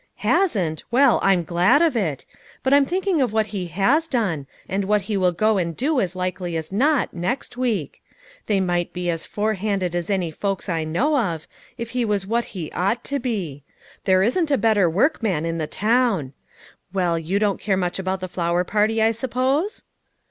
" Hasn't ; well, I'm glad of it ; but I'm think 296 LITTLE FISHERS: AND THEIR NETS. ing of what he has done, and what he will go and do, as likely as not, next week ; they might be as forehanded as any folks I know of, if he was what he ought to be ; there isn't a better workman in the town. Well, you don't care much about the flower party, I suppose